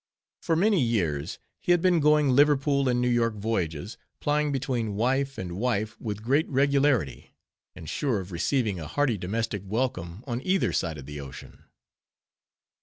For many years, he had been going Liverpool and New York voyages, plying between wife and wife with great regularity, and sure of receiving a hearty domestic welcome on either side of the ocean.